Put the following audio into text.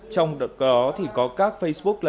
trong đó có các facebook